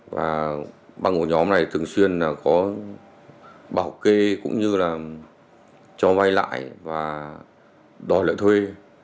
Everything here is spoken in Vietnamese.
và băng của nhóm này thường xuyên là có bảo kê cũng như là cho vai lại và đòi lợi thuê